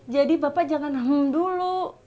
jadi bapak jangan ngomong dulu